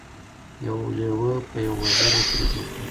یو لیوه په یوه وزه برید وکړ.